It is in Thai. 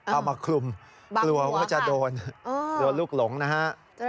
เอามาคลุมกลัวว่าจะโดนโดนลูกหลงนะฮะ